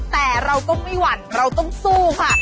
แต่เราก็ไม่หวั่นเราต้องสู้ค่ะ